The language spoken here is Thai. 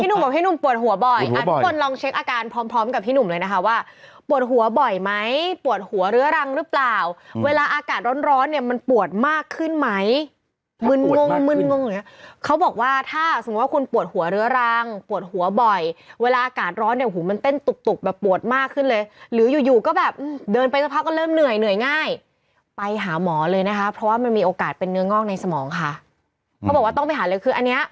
พี่หนุ่มก็พี่หนุ่มปวดหัวบ่อยอ่ะทุกคนลองเช็คอาการพร้อมกับพี่หนุ่มเลยนะคะว่าปวดหัวบ่อยไหมปวดหัวเรื้อรังหรือเปล่าเวลาอากาศร้อนเนี่ยมันปวดมากขึ้นไหมมึนงงมึนงงอย่างนี้เขาบอกว่าถ้าสมมุติว่าคุณปวดหัวเรื้อรังปวดหัวบ่อยเวลาอากาศร้อนเนี่ยหูมันเต้นตุกแบบปวดมากขึ